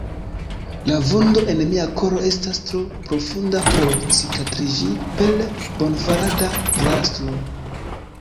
La vundo en mia koro estas tro profunda por cikatriĝi per bonfarada plastro.